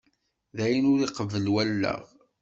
D ayen ur iqebbel wallaɣ!